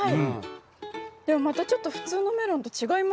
でもまたちょっと普通のメロンと違いますね。